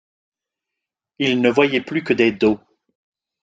Il ne voyait plus que des dos.